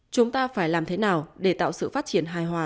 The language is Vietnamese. chúng ta phải làm thế nào để tạo sự phát triển hài hòa